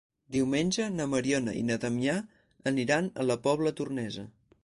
Diumenge na Mariona i na Damià aniran a la Pobla Tornesa.